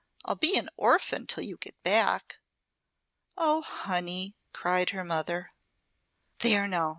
"I'll be an orphan till you get back." "Oh, honey!" cried her mother. "There now!"